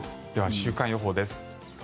週間予報です。